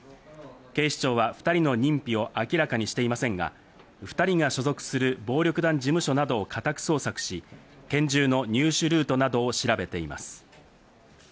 警視庁は、２人の認否を明らかにしていませんが、２人が所属する暴力団事務所などを家宅捜索し、拳銃の入手ルートなどを調べています。